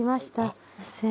すいません。